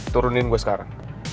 turunin gue sekarang